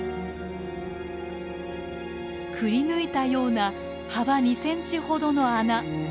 くりぬいたような幅２ｃｍほどの穴。